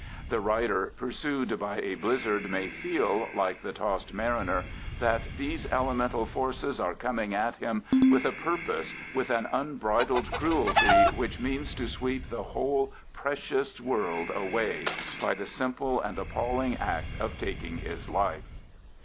The rider pursued by a blizzard may feel, like the tossed mariner, that "these elemental forces are coming at him with a purpose, with an unbridled cruelty which means to sweep the whole precious world away by the simple and appalling act of taking his life."